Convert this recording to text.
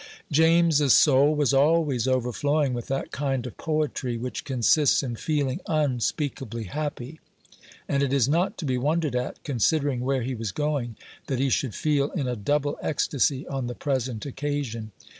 James's soul was always overflowing with that kind of poetry which consists in feeling unspeakably happy; and it is not to be wondered at, considering where he was going, that he should feel in a double ecstasy on the present occasion.